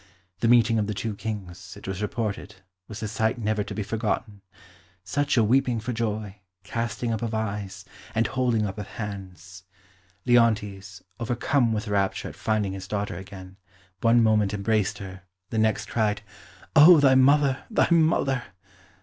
The meeting of the two Kings, it was reported, was a sight never to be forgotten such a weeping for joy, casting up of eyes, and holding up of hands. Leontes, overcome with rapture at finding his daughter again, one moment embraced her, the next cried, "O, thy mother, thy mother!"